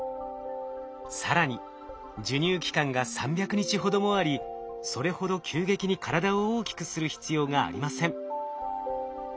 更に授乳期間が３００日ほどもありそれほど急激に体を大きくする必要がありません。